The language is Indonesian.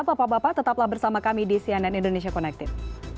bapak bapak tetaplah bersama kami di cnn indonesia connected